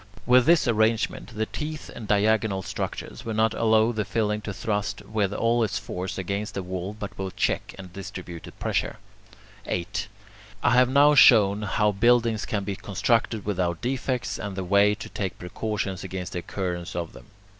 With this arrangement, the teeth and diagonal structures will not allow the filling to thrust with all its force against the wall, but will check and distribute the pressure. 8. I have now shown how buildings can be constructed without defects, and the way to take precautions against the occurrence of them.